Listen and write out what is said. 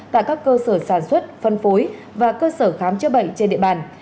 tại các cơ sở sản xuất phân phối và cơ sở khám chữa bệnh trên địa bàn